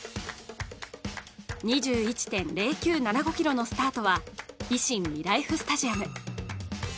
２１．０９７５ｋｍのスタートは維新みらいふスタジアム。